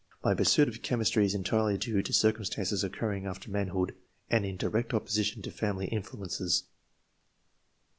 My pursuit of chemistry is entirely due to circumstances occurring after manhood, and in direct opposition to family influences."